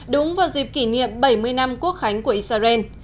đúng vào dịp kỷ niệm bảy mươi năm quốc khánh của israel